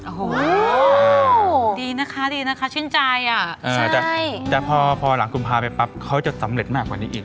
โอ้โหดีนะคะดีนะคะชื่นใจอ่ะแต่พอหลังกุมภาไปปั๊บเขาจะสำเร็จมากกว่านี้อีก